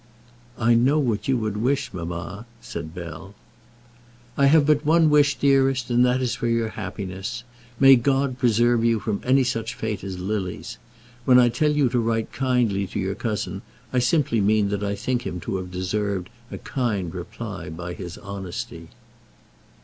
"I know what you would wish, mamma," said Bell. "I have but one wish, dearest, and that is for your happiness. May God preserve you from any such fate as Lily's. When I tell you to write kindly to your cousin, I simply mean that I think him to have deserved a kind reply by his honesty."